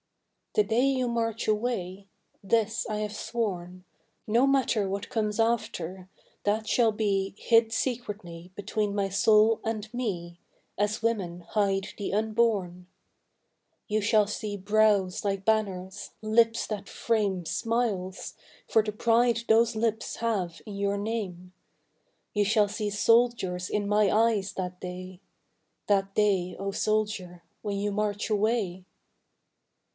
The day you march away this I have sworn, No matter what comes after, that shall be Hid secretly between my soul and me As women hide the unborn You shall see brows like banners, lips that frame Smiles, for the pride those lips have in your name. You shall see soldiers in my eyes that day That day, O soldier, when you march away.